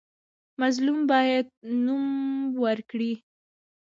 مظلوم باید نوم ورکړي.